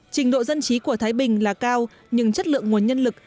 trình độ dân trí của thái bình là cao nhưng chất lượng nguồn nhân lực